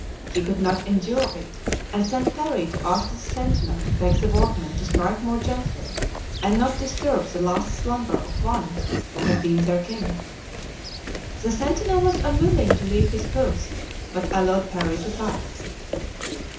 He could not endure it, and sent Parry to ask the sentinel to beg the workmen to strike more gently and not disturb the last slumber of one who had been their king. The sentinel was unwilling to leave his post, but allowed Parry to pass.